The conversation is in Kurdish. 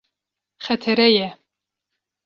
Xetere ye.